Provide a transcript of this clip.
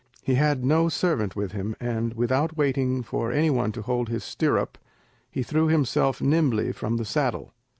He had no servant with him, and, without waiting for any one to hold his stirrup, he threw himself nimbly from the saddle.